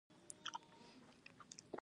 د پښتنو په کلتور کې د څادر کارول څو ګټې لري.